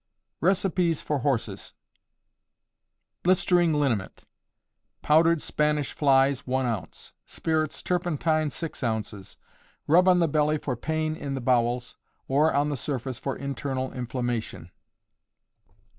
RECIPES FOR HORSES. Blistering Liniment. Powdered Spanish flies, one ounce; spirits turpentine, six ounces. Rub on the belly for pain in the bowels, or on the surface for internal inflammation.